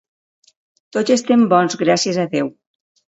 Tots estem bons, gràcies a Déu.